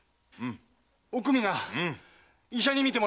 おくみが医者に診てもらって。